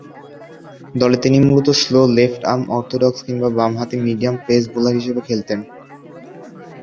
দলে তিনি মূলতঃ স্লো লেফট-আর্ম অর্থোডক্স কিংবা বামহাতি মিডিয়াম পেস বোলার হিসেবে খেলতেন।